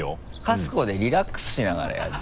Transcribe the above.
カス子でリラックスしながらやって。